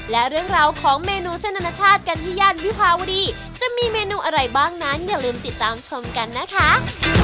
และเรื่องราวของเมนูเส้นอนาชาติกันที่ย่านวิภาวดีจะมีเมนูอะไรบ้างนั้นอย่าลืมติดตามชมกันนะคะ